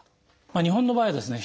日本の場合はですね